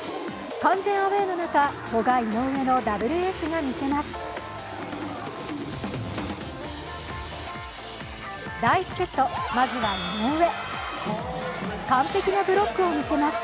完全アウェーの中、古賀・井上のダブルエースがみせます。